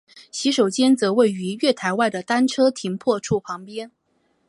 洗手间则位于月台外的单车停泊处旁边。